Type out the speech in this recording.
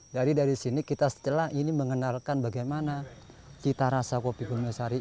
jadi dari sini kita setelah ini mengenalkan bagaimana kita rasa kopi gombayasari